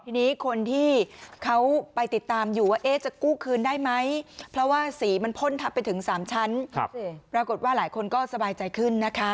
ทีนี้คนที่เขาไปติดตามอยู่ว่าจะกู้คืนได้ไหมเพราะว่าสีมันพ่นทับไปถึง๓ชั้นปรากฏว่าหลายคนก็สบายใจขึ้นนะคะ